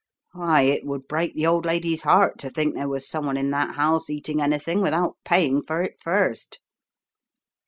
Why, it would break the old lady's heart to think there was someone in that house eating anything without paying for it first."